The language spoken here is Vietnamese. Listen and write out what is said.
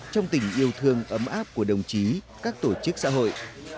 trong tình yêu thương ấm áp của đồng chí các tổ chức xã hội